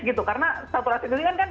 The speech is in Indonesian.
gitu karena saturasi itu kan kan